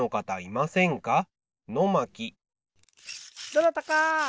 どなたか！